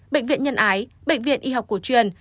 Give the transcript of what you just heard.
bệnh viện nhân ái bệnh viện y học cổ truyền